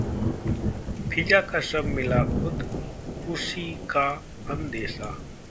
फ़िज़ा का शव मिला, खुदकुशी का अंदेशा